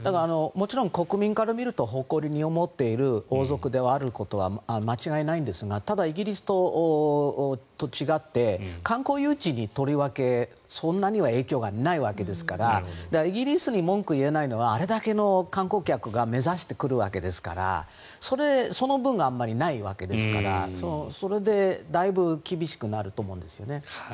もちろん国民から見ると誇りに思っている王族であることは間違いないんですがただ、イギリスと違って観光誘致にはとりわけそんなには影響がないわけですからイギリスに文句言えないのはあれだけの観光客が目指してくるわけですからその分があまりないわけですからそれでだいぶ厳しくなると思うんですよね。